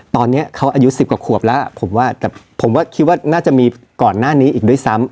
ตอนนี้เขาอายุ๑๐กว่าขวบแล้วผมว่าแต่ผมว่าคิดว่าน่าจะมีก่อนหน้านี้อีกด้วยซ้ำ